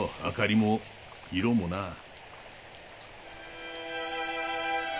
明かりも色もな。